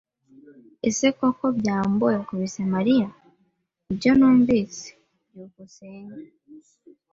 "Ese koko byambo yakubise Mariya?" "Nibyo numvise." byukusenge